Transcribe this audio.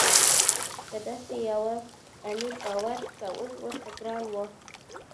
په داسې یوه امیر باور کول ورته ګران وو.